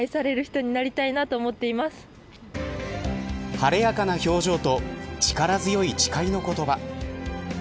晴れやかな表情と力強い誓いの言葉。